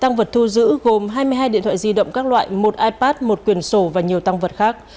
giữ gồm hai mươi hai điện thoại di động các loại một ipad một quyền sổ và nhiều tăng vật khác